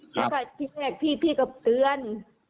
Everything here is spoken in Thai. แล้วก็ที่แรกพี่ก็เตือน